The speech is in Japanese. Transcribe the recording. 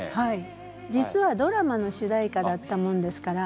実はドラマの主題歌だったもんですから。